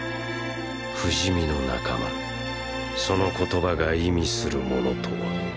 不死身の仲間その言葉が意味するものとは。